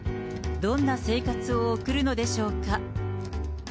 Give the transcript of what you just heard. どんな生活を送るのでしょうか。